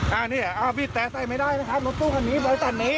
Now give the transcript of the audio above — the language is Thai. อ้านี่บีดแต่ใส่ไม่ได้รถตู้ขันนี้บริษัทนี้